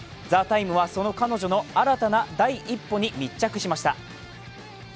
「ＴＨＥＴＩＭＥ，」はその彼女の新たな第一歩に密着しました。